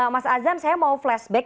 mas azan saya mau flashback